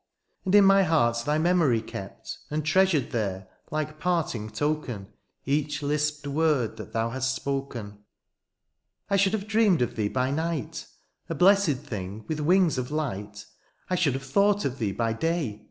And in my heart thy memory kept, And treasm*ed there, like partmg token. Each lisped word that thoa haiFst spoken ; I should have dreamed of thee by night, A blessed thing with wings of light ; I should have thought of thee by day.